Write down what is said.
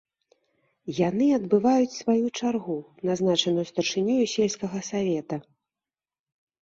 Яны адбываюць сваю чаргу, назначаную старшынёю сельскага савета.